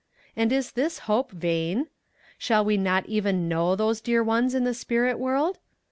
And is this hope vain? Shall we not even know those dear ones in the spirit world?